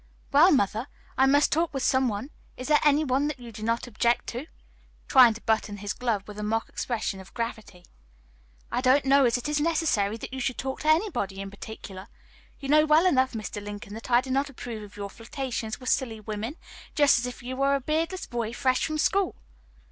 "Well, mother, I must talk with some one. Is there any one that you do not object to?" trying to button his glove, with a mock expression of gravity. "I don't know as it is necessary that you should talk to anybody in particular. You know well enough, Mr. Lincoln, that I do not approve of your flirtations with silly women, just as if you were a beardless boy, fresh from school."